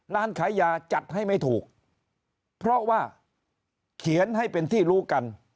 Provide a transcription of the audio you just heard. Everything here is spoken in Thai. ร้านขายยาจัดให้ไม่ถูกเพราะว่าเขียนให้เป็นที่รู้กัน